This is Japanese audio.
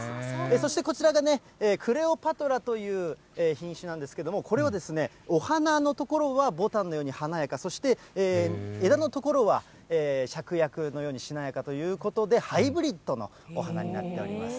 そしてこちらがクレオパトラという品種なんですけれども、これはお花の所はボタンのように華やか、そして枝の所は、しゃくやくのようにしなやかということで、ハイブリッドのお花になっております。